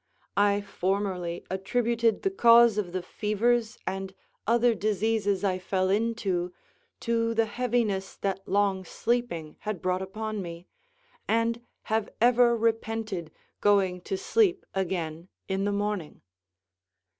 I formerly attributed the cause of the fevers and other diseases I fell into to the heaviness that long sleeping had brought upon me, and have ever repented going to sleep again in the morning.